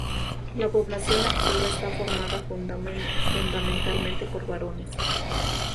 La población activa está formada fundamentalmente por varones.